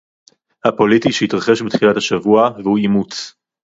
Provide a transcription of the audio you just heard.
הפוליטי, שהתרחש בתחילת השבוע, והוא אימוץ